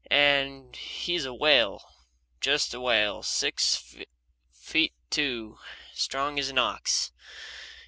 And he's a whale, just a whale. He's six feet two, and strong as an ox.